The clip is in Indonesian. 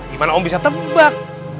gimana om bisa tebak